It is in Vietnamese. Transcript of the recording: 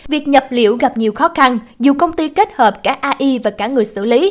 việc nhập liệu gặp nhiều khó khăn dù công ty kết hợp cả ai và cả người xử lý